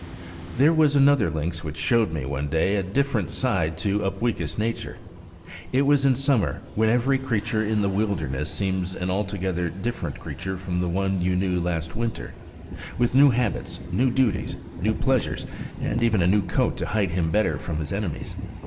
There was another lynx which showed me, one day, a different side to Upweekis' nature. It was in summer, when every creature in the wilderness seems an altogether different creature from the one you knew last winter, with new habits, new duties, new pleasures, and even a new coat to hide him better from his enemies.